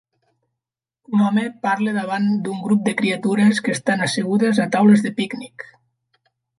un home parla davant d'un grup de criatures que estan assegudes a taules de pícnic.